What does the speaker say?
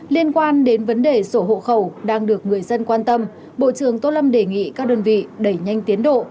liên quan đến vấn đề sổ hộ khẩu đang được người dân quan tâm bộ trưởng tô lâm đề nghị các đơn vị đẩy nhanh tiến độ